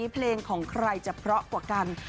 เพลงของใครจะเพราะกว่ากัน